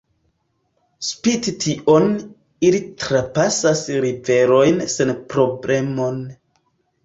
Spite tion, ili trapasas riverojn senprobleme.